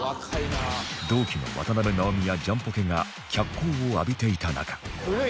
同期の渡辺直美やジャンポケが脚光を浴びていた中